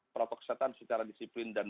protoksel secara disiplin dan